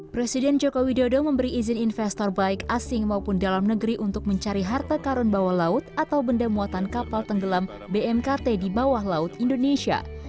presiden joko widodo memberi izin investor baik asing maupun dalam negeri untuk mencari harta karun bawah laut atau benda muatan kapal tenggelam bmkt di bawah laut indonesia